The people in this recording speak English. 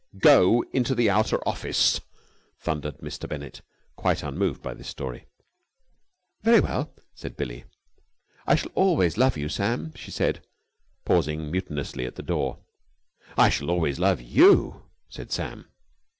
"Go into the outer office!" thundered Mr. Bennett, quite unmoved by this story. "Very well," said Billie. "I shall always love you, Sam," she said, pausing mutinously at the door. "I shall always love you," said Sam.